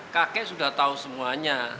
kakek sudah tahu semuanya